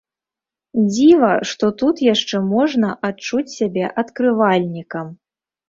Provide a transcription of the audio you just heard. Дзіва, што тут яшчэ можна адчуць сябе адкрывальнікам.